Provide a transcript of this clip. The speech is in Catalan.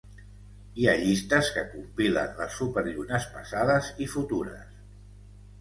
Hi ha llistes que compilen les superllunes passades i futures.